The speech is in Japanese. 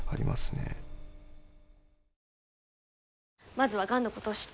まずはがんのことを知って。